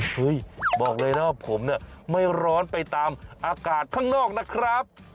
บอกเลยนะว่าผมเนี่ยไม่ร้อนไปตามอากาศข้างนอกนะครับ